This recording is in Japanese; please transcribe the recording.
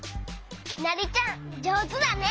きなりちゃんじょうずだね！